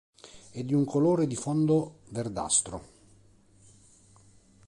È di un colore di fondo verdastro.